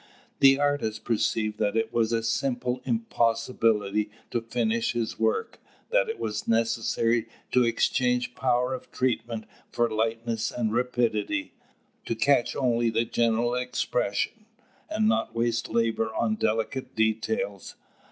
The artist perceived that it was a simple impossibility to finish his work; that it was necessary to exchange power of treatment for lightness and rapidity, to catch only the general expression, and not waste labour on delicate details.